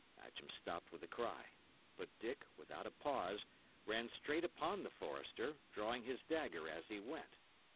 Matcham stopped with a cry; but Dick, without a pause, ran straight upon the forester, drawing his dagger as he went.